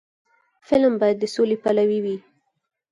فلم باید د سولې پلوي وي